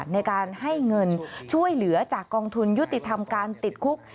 ในการให้เงินช่วยเหลือจากกองทุนยุติธรรมการติดคุก